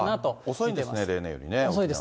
遅いんですね、例年よりも。